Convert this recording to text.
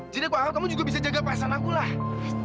jadi aku harap kamu juga bisa jaga pahasan aku lah